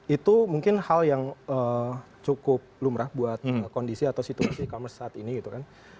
itu mungkin hal yang cukup lumrah buat kondisi atau situasi e commerce saat ini gitu kan